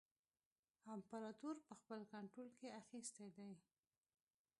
امپراطور په خپل کنټرول کې اخیستی دی.